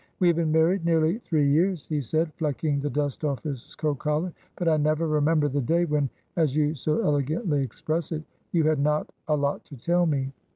"We have been married nearly three years," he said, flecking the dust off his coat collar, "but I never remember the day when, as you so elegantly express it, you had not a 'lot to tell me.'"